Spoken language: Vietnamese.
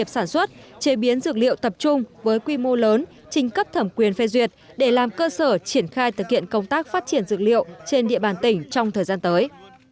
phát biểu tập trung với quy mô lớn trình cấp thẩm quyền phê duyệt để làm cơ sở triển khai thực hiện công tác phát triển dược liệu trên địa bàn tỉnh trong thời gian tới